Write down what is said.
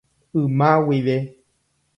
Yma guive.